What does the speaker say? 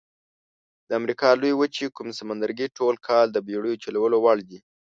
د امریکا لویې وچې کوم سمندرګي ټول کال د بېړیو چلولو وړ دي؟